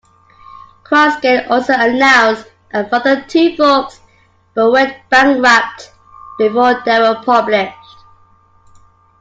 CrossGen also announced a further two books, but went bankrupt before they were published.